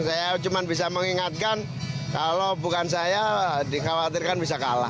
saya cuma bisa mengingatkan kalau bukan saya dikhawatirkan bisa kalah